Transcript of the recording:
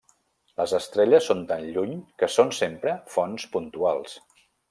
Les estrelles són tan lluny que són sempre fonts puntuals.